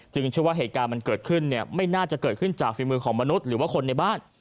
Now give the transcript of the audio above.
เชื่อว่าเหตุการณ์มันเกิดขึ้นเนี่ยไม่น่าจะเกิดขึ้นจากฝีมือของมนุษย์หรือว่าคนในบ้าน